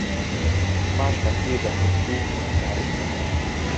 Másnap hirdették ki a határozatokat.